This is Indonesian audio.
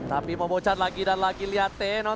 tapi momo chan lagi dan lagi lihat tenno